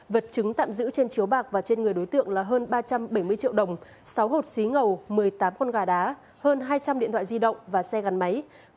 vật chứng tạm giữ trên chiếu bạc và trên người đối tượng là hơn ba trăm bảy mươi triệu đồng sáu hộp xí ngầu một mươi tám con gà đá hơn hai trăm linh điện thoại di động và xe gắn máy